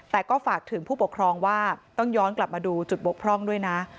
แต่ก็ฝากถึงผู้ปกครองว่าต้องย้อนกลับมาดูจุดบกพร่องด้วยนะ